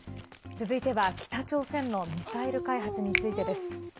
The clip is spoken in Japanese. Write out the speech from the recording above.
続いては、北朝鮮のミサイル開発についてです。